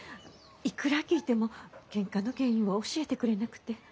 いくら聞いてもケンカの原因は教えてくれなくて。